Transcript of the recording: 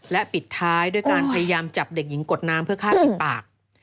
และปิดท้ายด้วยการพยายามจับเด็กหญิงกดน้ำเพื่อฆ่าปิดปาก